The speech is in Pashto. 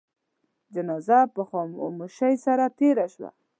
جنازه په خاموشی سره تېره شوه.